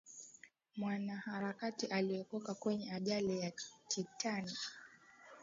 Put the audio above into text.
mwanaharakati aliokoka kwenye ajali ya titanic